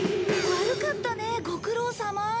悪かったねご苦労さま。